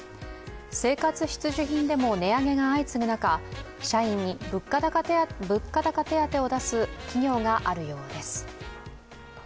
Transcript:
生活必需品でも値上げが相次ぐ中社員に物価高手当を出す企業があるようです。